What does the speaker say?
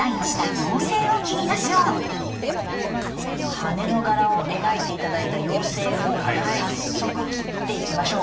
羽の柄を描いて頂いた妖精を早速切っていきましょう。